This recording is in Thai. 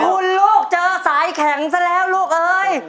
คุณลูกเจอสายแข็งซะแล้วลูกเอ้ย